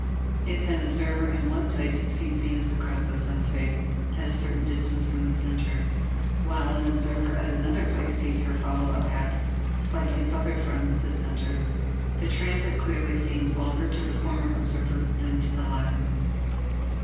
If an observer in one place sees Venus cross the sun's face at a certain distance from the centre, while an observer at another place sees her follow a path slightly farther from the centre, the transit clearly seems longer to the former observer than to the latter.